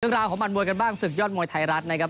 ราวของมันมวยกันบ้างศึกยอดมวยไทยรัฐนะครับ